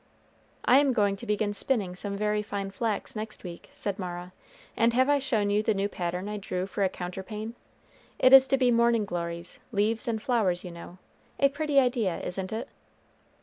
"I am going to begin spinning some very fine flax next week," said Mara; "and have I shown you the new pattern I drew for a counterpane? it is to be morning glories, leaves and flowers, you know, a pretty idea, isn't it?"